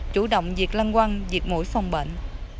chủ động diệt lăng quăng diệt mũi phòng bệnh